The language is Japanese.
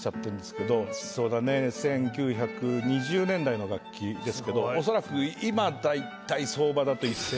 そうだね１９２０年代の楽器ですけど恐らく今大体相場だと１０００万ぐらい。